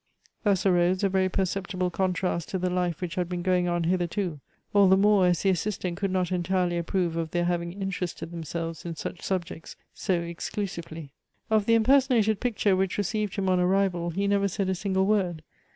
Thus arose a very perceptible contrast to the life which had been going on hitherto, all the more as the Assistant could not entirely approve of their having interested themselves in such subjects so exclusively. Of the impersonated picture which received him on arrival, he never said a single word.